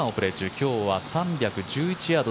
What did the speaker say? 今日は３１１ヤード。